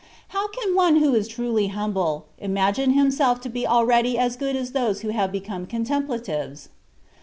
How can one who is truly humble, imagine him self to be already as good as those who have become " contemplatives